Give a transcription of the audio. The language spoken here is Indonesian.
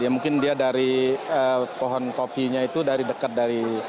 ya mungkin dia dari pohon kopinya itu dari dekat dari